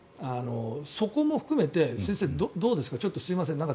そこも含めて先生、どうですかすいません